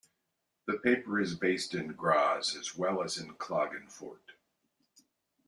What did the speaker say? The paper is based in Graz as well as in Klagenfurt.